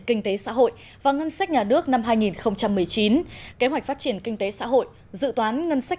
kinh tế xã hội và ngân sách nhà nước năm hai nghìn một mươi chín kế hoạch phát triển kinh tế xã hội dự toán ngân sách